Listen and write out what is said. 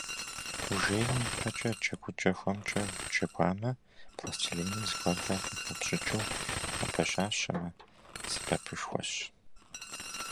Ужеиным ипэкӀэ джэгукӀэ хуэмкӀэ уджэгуамэ, пластелиным зыгуэрхэр къыхэпщӀыкӀыу упэщэщамэ, сэбэпышхуэщ.